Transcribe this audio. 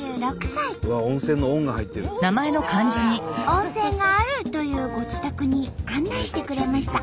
温泉があるというご自宅に案内してくれました。